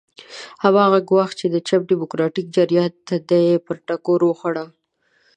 هماغه ګواښ چې د چپ ډیموکراتیک جریان تندی پرې ټکر وخوړ.